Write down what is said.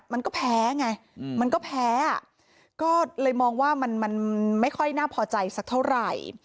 มันก็แพ้ไงมันก็แพ้อ่ะก็เลยมองว่ามันไม่ค่อยน่าพอใจสักเท่าไหร่